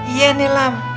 iya nih lam